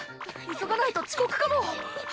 急がないと遅刻かも。